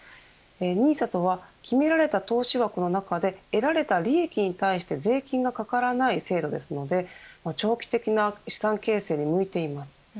ＮＩＳＡとは決められた投資枠の中で得られた利益に対して税金がかからない制度ですので長期的な資産形成に向いています。